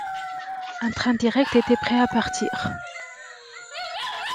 Un train direct était prêt à partir.